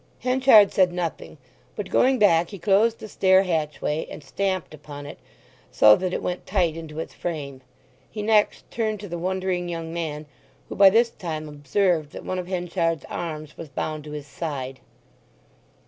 Henchard said nothing; but going back he closed the stair hatchway, and stamped upon it so that it went tight into its frame; he next turned to the wondering young man, who by this time observed that one of Henchard's arms was bound to his side.